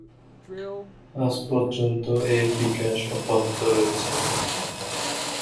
আজ পর্যন্ত এর বিকাশ অব্যাহত রয়েছে।